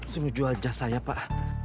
semua jual jas saya pak